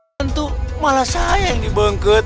tentu malah saya yang dibengket